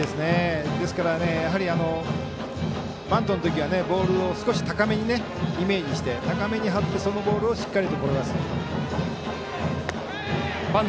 ですから、バントの時はボールを少し高めにイメージして高めに張ってそのボールをしっかり転がす。